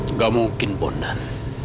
nggak mungkin bondan